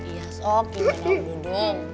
iya sock gimana om dudung